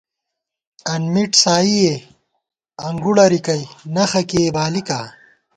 انمِٹ سائی ئے، انگُڑہ رِکَئ، نخہ کېئی بالِکا